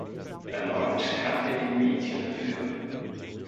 Erneut kann er die Mädchen entführen.